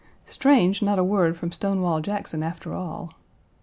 Strange not a word from Stonewall Jackson, after all!